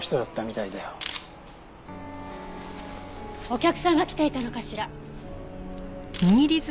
お客さんが来ていたのかしら？